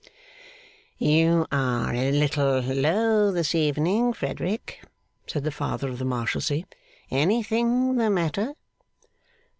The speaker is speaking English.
'You are a little low this evening, Frederick,' said the Father of the Marshalsea. 'Anything the matter?